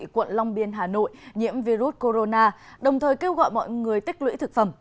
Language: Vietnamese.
quận long biên hà nội nhiễm virus corona đồng thời kêu gọi mọi người tích lũy thực phẩm